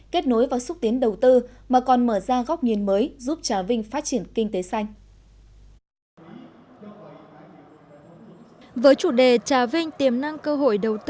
kết nối vào xúc tiến đầu tư mà còn mở ra góc nhìn mới giúp trà vinh phát triển kinh tế xanh